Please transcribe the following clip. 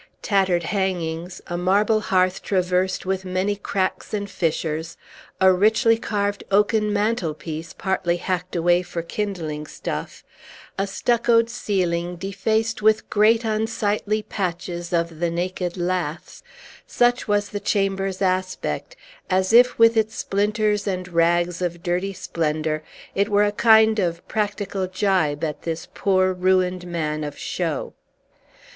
Tattered hangings, a marble hearth, traversed with many cracks and fissures, a richly carved oaken mantelpiece, partly hacked away for kindling stuff, a stuccoed ceiling, defaced with great, unsightly patches of the naked laths, such was the chamber's aspect, as if, with its splinters and rags of dirty splendor, it were a kind of practical gibe at this poor, ruined man of show.